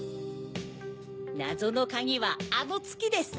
なぞのカギはあのつきです！